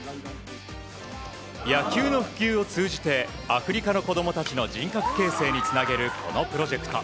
野球の普及を通じてアフリカの子供の人格形成につなげる、このプロジェクト。